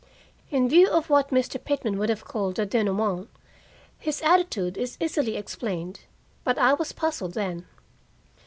In view of what Mr. Pitman would have called the denouement, his attitude is easily explained. But I was puzzled then.